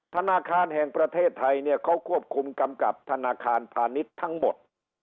ธนาคารแห่งประเทศไทยเนี่ยเขาควบคุมกำกับธนาคารพาณิชย์ทั้งหมด